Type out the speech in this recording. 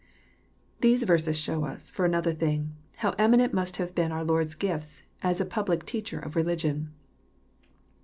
These verses show us, for another thing, how eminent must have been our Lord^s gifts^ as a public Teacher of religion.